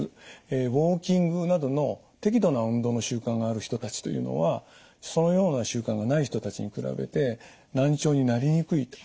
ウォーキングなどの適度な運動の習慣がある人たちというのはそのような習慣がない人たちに比べて難聴になりにくいというデータがあります。